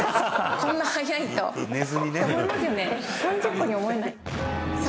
こんな早いとって思いますよね？